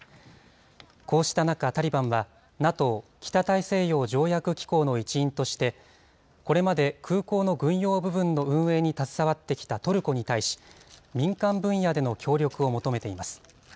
こうした中、タリバンはＮＡＴＯ・北大西洋条約機構の一員として、これまで空港の軍用部分の運営に携わってきたトルコに対し、民間分野での協力を求めています。